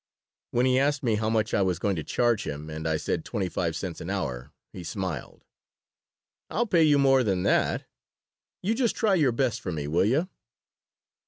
When he asked me how much I was going to charge him and I said twenty five cents an hour, he smiled "I'll pay you more than that. You just try your best for me, will you?"